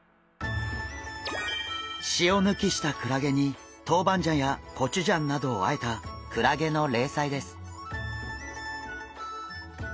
塩抜きしたクラゲにトウバンジャンやコチュジャンなどをあえたクラゲの冷菜です。